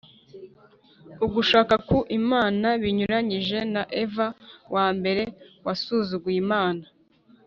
ugushaka ku imana, binyuranyije na eva wa mbere wasuzuguye imana